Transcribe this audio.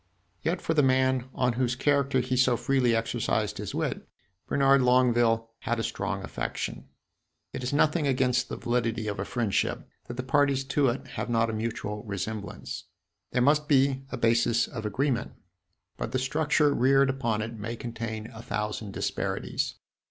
Yet for the man on whose character he so freely exercised his wit Bernard Longueville had a strong affection. It is nothing against the validity of a friendship that the parties to it have not a mutual resemblance. There must be a basis of agreement, but the structure reared upon it may contain a thousand disparities.